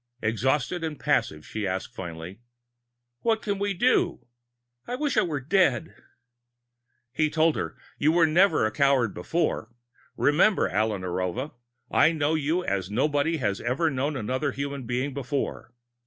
Exhausted and passive, she asked finally: "What can we do? I wish I were dead!" He told her: "You were never a coward before. Remember, Alla Narova, I know you as nobody has ever known another human being before.